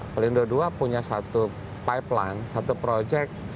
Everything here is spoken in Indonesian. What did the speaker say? pelindo ii punya satu pipeline satu project